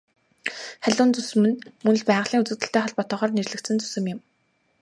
Халиун зүсэм нь мөн л байгалийн үзэгдэлтэй холбоотойгоор нэрлэгдсэн зүсэм юм.